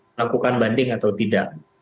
melakukan banding atau tidak